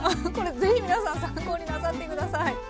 これぜひ皆さん参考になさって下さい。